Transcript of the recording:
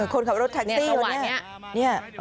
คนขับรถแท็กซี่วันนี้